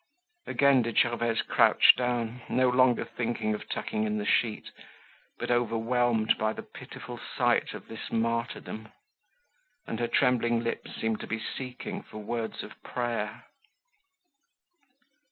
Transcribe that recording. Again did Gervaise crouch down, no longer thinking of tucking in the sheet, but overwhelmed by the pitiful sight of this martyrdom; and her trembling lips seemed to be seeking for words of prayer.